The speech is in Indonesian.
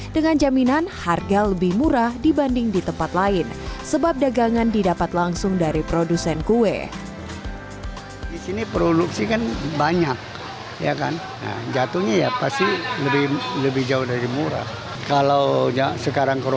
dengan jaminan harga lebih murah dibanding di tempat lain sebab dagangan didapat langsung dari produsen kue